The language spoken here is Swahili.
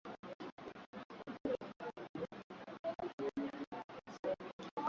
sehemu moja ya kazi inaongozwa na roboti